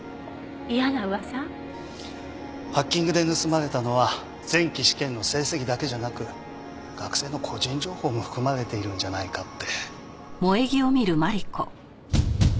ハッキングで盗まれたのは前期試験の成績だけじゃなく学生の個人情報も含まれているんじゃないかって。